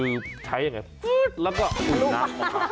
แล้วปุ่นน้ำขึ้นมา